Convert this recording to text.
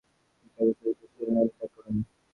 তিনি প্যারিসের উদ্দেশ্যে ইংল্যান্ড ত্যাগ করেন।